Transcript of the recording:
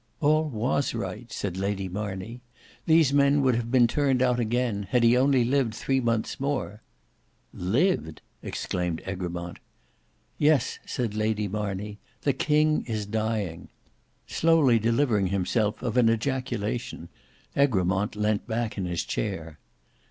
"All was right," said Lady Marney. "These men would have been turned out again, had he only lived three months more." "Lived!" exclaimed Egremont. "Yes," said Lady Marney; "the king is dying." Slowly delivering himself of an ejaculation, Egremont leant back in his chair.